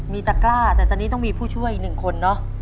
มีตะกร้าแต่ตอนนี้ต้องมีผู้ช่วยอีกหนึ่งคนเนอะ